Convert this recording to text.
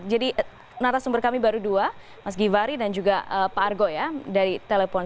jadi narasumber kami baru dua mas ghivari dan juga pak argo ya dari telepon